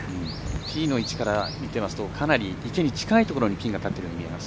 ティーの位置から見ているとかなり池に近いところにピンが立っているように見えます。